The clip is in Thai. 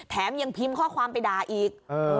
ยังพิมพ์ข้อความไปด่าอีก